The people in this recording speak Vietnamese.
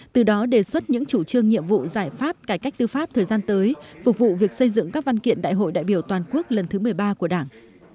từ đó đề xuất những chủ trương nhiệm vụ giải pháp cải cách tư pháp thời gian tới phục vụ việc xây dựng các văn kiện đại hội đại biểu toàn quốc lần thứ một mươi ba của đảng